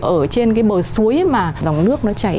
ở trên cái bờ suối mà dòng nước nó chảy